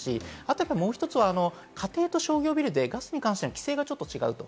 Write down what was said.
あともう一つは、家庭と商業ビルでガスに関しての規制が違うと。